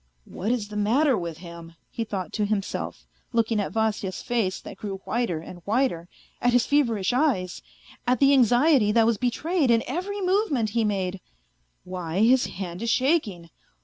..." What is the matter with him ?" he thought to himself , looking at Vasya's face that grew whiter and whiter, at his feverish eyes, at the anxiety that was betrayed in every movement he made, " why, his hand is shaking